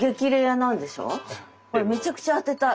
これめちゃくちゃ当てたい。